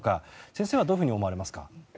先生はどういうふうに思われますか？